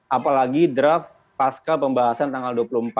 apalagi draft pasca pembahasan tanggal dua puluh empat